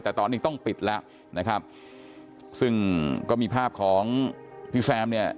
แต่ตอนนี้ต้องปิดแล้วนะครับซึ่งก็มีภาพของพี่แซมเนี่ย